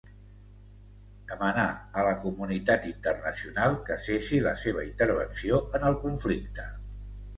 Demanar a la Comunitat Internacional que cessi la seva intervenció en el conflicte.